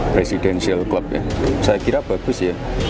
presidensial club ya saya kira bagus ya